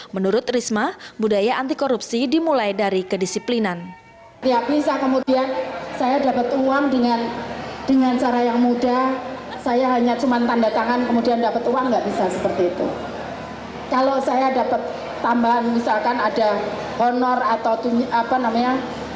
menurut risma budaya anti korupsi yang terkenal di stasiun gubang surabaya